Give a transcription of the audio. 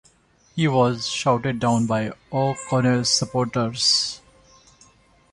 He was shouted down by O'Connell's supporters.